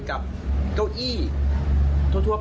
ไม่มีรอยไฟไหม้